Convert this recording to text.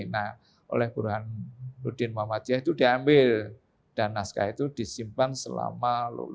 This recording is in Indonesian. nah oleh burhanuddin muhammadiyah itu diambil dan naskah itu disimpan selama